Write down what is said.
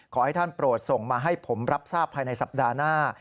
ขอให้ท่านโปรดส่งมาให้ผมรับทราบภายในสัปดาห์หน้า